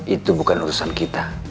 itu bukan urusan kita